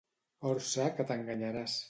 Orsa que t'enganxaràs.